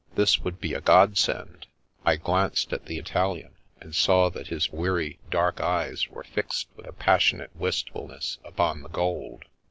This would be a Godsend. I glanced at the Italian, and saw that his weary, dark eyes were fixed with a passionate wistfulness upon the gold.